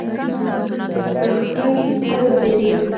تر خپل حده پورې